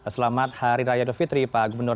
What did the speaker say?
selamat hari raya dufitri pak gubernur